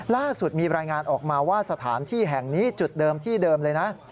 ล่าสุดมีรายงานออกมาว่าสถานที่แห่งนี้จุดเดิมที่เดิมเลยนะ